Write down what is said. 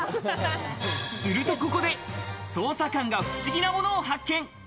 すると、ここで捜査官が不思議なものを発見。